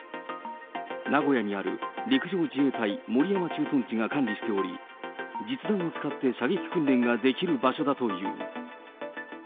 名古屋にある陸上自衛隊守山駐屯地が管理しており、実弾を使って射撃訓練ができる場所だという。